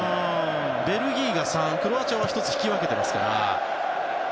ベルギーが３、クロアチアは１つ引き分けてますから。